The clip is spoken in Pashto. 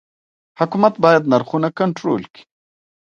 حکومت باید نرخونه کنټرول کړي؟